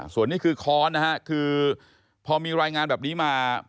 ส่วนนี้คือค้อนนะฮะคือพอมีรายงานแบบนี้มา